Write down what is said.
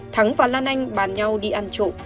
thắng và lan anh bàn nhau đi ăn trộm